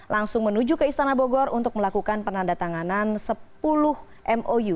langsung menuju ke istana bogor untuk melakukan penandatanganan sepuluh mou